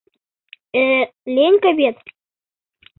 — Э, Ленька вет?